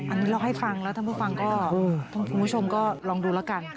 อันนี้เราให้ฟังแล้วท่านผู้ฟังก็คุณผู้ชมก็ลองดูแล้วกัน